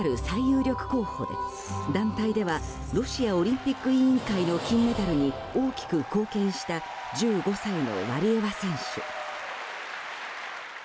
最有力候補で団体ではロシアオリンピック委員会の金メダルに大きく貢献した１５歳のワリエワ選手。